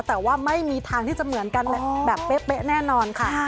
แต่ว่าไม่มีทางที่จะเหมือนกันแบบเป๊ะแน่นอนค่ะ